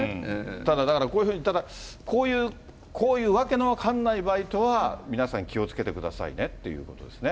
ただ、だからこういうふうに、こういう訳の分かんないバイトは、皆さん、気をつけてくださいねっていうことですね。